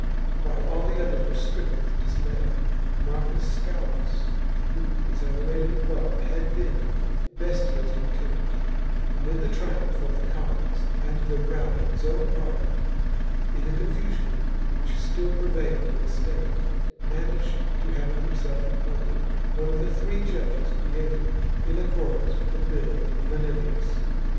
While all others were stricken with dismay Marcus Scaurus who, as I related above, had been Bestia's lieutenant, amid the triumph of the commons and the rout of his own party, in the confu sion which still prevailed in the state, managed to have himself appointed one of the three judges created in accordance with the bill of Manilius.